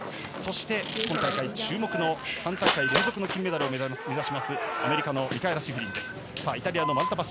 そして、今大会注目の３大会連続の金メダルを目指すアメリカのミカエラ・シフリン。